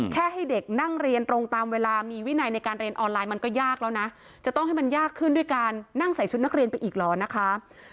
ให้เด็กนั่งเรียนตรงตามเวลามีวินัยในการเรียนออนไลน์มันก็ยากแล้วนะจะต้องให้มันยากขึ้นด้วยการนั่งใส่ชุดนักเรียนไปอีกเหรอนะคะ